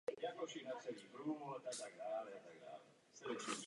Kde to bude příště?